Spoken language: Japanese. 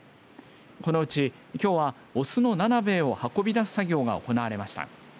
このうち、きょうは雄のナナベエを運び出す作業が行われました。